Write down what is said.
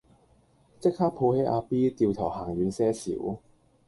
即刻抱起阿 B 掉頭行遠些少